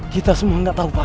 kita semua gak tau pak